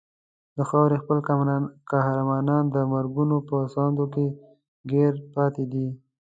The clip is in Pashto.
د خاورې خپل قهرمانان د مرګونو په ساندو کې ګیر پاتې دي.